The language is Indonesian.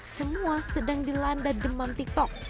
semua sedang dilanda demam tiktok